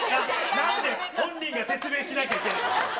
なんで本人が説明しなきゃいけないの。